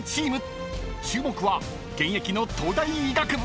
［注目は現役の東大医学部上田彩瑛］